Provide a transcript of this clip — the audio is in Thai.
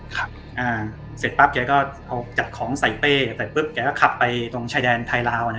เสร็จปั๊บแกก็เอาจัดของใส่เป้ใส่ปุ๊บแกก็ขับไปตรงชายแดนไทยลาว